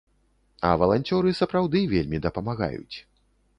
А валанцёры сапраўды вельмі дапамагаюць.